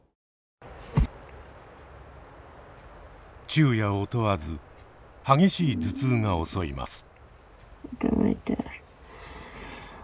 昼夜を問わず激しい頭痛が襲います。